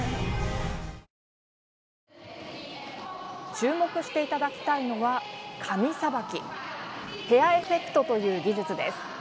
注目していただきたいのは髪さばき、ヘアエフェクトという技術です。